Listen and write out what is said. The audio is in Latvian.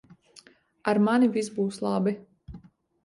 Ar mani viss būs labi.